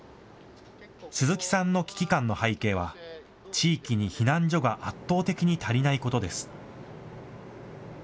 鈴木さんの危機感の背景は地域に避難所が圧倒的に足りないことです。